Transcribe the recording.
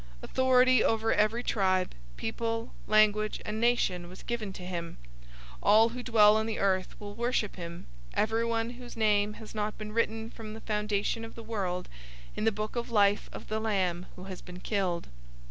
Authority over every tribe, people, language, and nation was given to him. 013:008 All who dwell on the earth will worship him, everyone whose name has not been written from the foundation of the world in the book of life of the Lamb who has been killed.